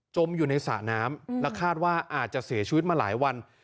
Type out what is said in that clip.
มอยู่ในสระน้ำและคาดว่าอาจจะเสียชีวิตมาหลายวัน